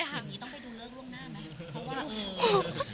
ตอนนี้ต้องไปดูเลิกร่วมหน้าไหม